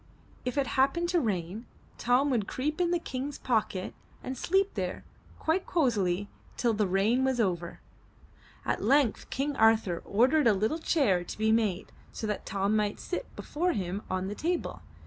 If it happened to rain, Tom would creep in the King's pocket and sleep there quite cozily till the rain was over. At length King Arthur ordered a little chair to be made, so that Tom might sit before him on the table.